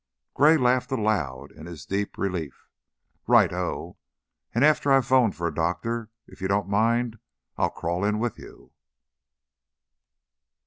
Gray laughed aloud, in his deep relief. "Righto! And after I've phoned for a doctor, if you don't mind, I'll crawl in with you."